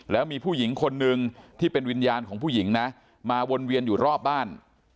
แล้วมีผู้หญิงคนนึงที่เป็นวิญญาณของผู้หญิงนะมาวนเวียนอยู่รอบบ้าน